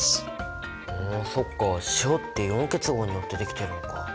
そっか塩ってイオン結合によってできてるのか。